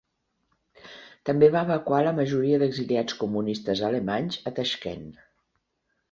També va evacuar la majoria d'exiliats comunistes alemanys a Taixkent.